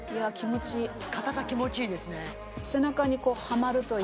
硬さ気持ちいいですね